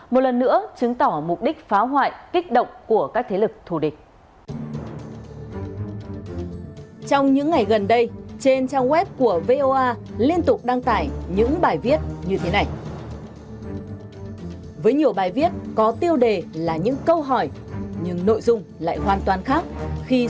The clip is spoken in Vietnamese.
một lần nữa chứng tỏ mục đích phá hoại kích động của các thế lực thù địch